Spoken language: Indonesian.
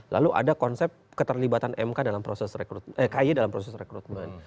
lalu ada konsep keterlibatan kay dalam proses rekrutmen